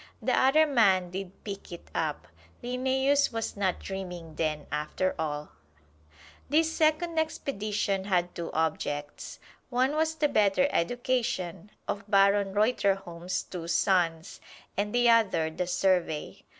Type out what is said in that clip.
The other man did pick it up! Linnæus was not dreaming, then, after all! This second expedition had two objects: one was the better education of Baron Reuterholm's two sons, and the other the survey.